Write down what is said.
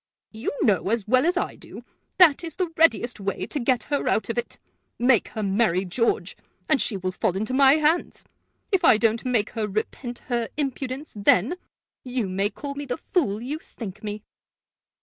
"You know, as well as I do, that is the readiest way to get her out of it. Make her marry George, and she will fall into my hands. If I don't make her repent her impudence then, you may call me the fool you think me."